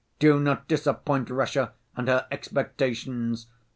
Do not disappoint Russia and her expectations.